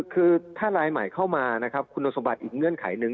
คือถ้ารายใหม่เข้ามานะครับคุณสมบัติอีกเงื่อนไขหนึ่ง